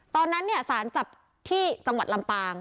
ตอนนั้นเนี่ยสารจับที่จังหวัดลำปาง